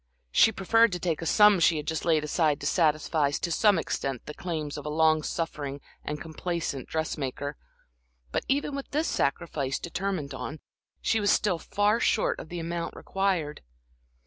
She preferred to take a sum she had just laid aside to satisfy to some extent the claims of a long suffering and complaisant dressmaker; but even with this sacrifice determined on, she was still far short of the amount required.